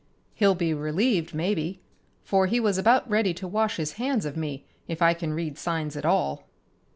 He'll be relieved, maybe, for he was about ready to wash his hands of me if I can read signs at all."